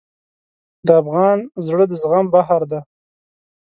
د افغان زړه د زغم بحر دی.